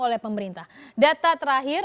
oleh pemerintah data terakhir